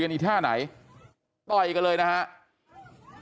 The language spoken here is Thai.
คุยกันอีกท่ายังไง